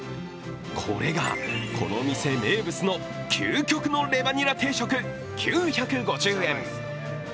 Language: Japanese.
これが、この店名物の究極のレバニラ定食９５０円。